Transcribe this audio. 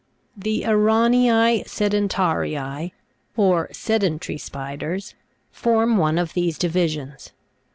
23. The Ara'nece sedenta'rice y or sedentary spiders, form one of these divisions.